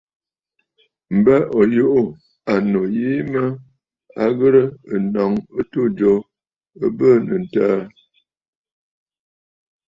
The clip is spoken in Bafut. M̀bə ò yuʼù ànnù yìi mə à ghɨ̀rə ǹnǒŋ ɨtû jo ɨ bɨɨnə̀ ǹtəə.